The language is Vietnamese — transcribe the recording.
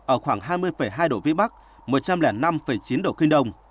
ở khoảng hai mươi hai độ vĩ bắc một trăm linh năm chín độ kinh đông